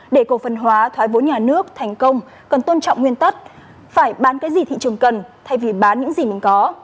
để cổ phần hóa thoái vốn nhà nước thành công cần tôn trọng nguyên tắc phải bán cái gì thị trường cần thay vì bán những gì mình có